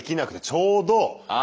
ちょうどあ！